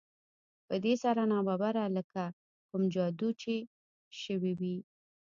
په دې سره ناببره لکه کوم جادو چې شوی وي